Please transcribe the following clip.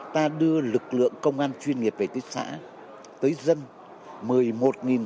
ta đưa lực lượng công an chuyên nghiệp về tới xã tới dân